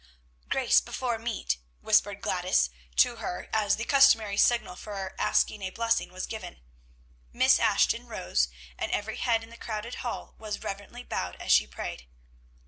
"Grace before meat," whispered Gladys to her as the customary signal for asking a blessing was given. Miss Ashton rose, and every head in the crowded hall was reverently bowed as she prayed.